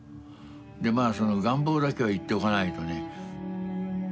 でまあその願望だけは言っておかないとね。